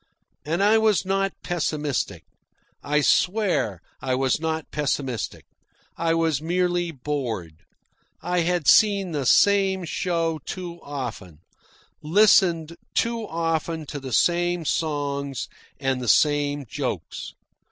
And I was not pessimistic. I swear I was not pessimistic. I was merely bored. I had seen the same show too often, listened too often to the same songs and the same jokes.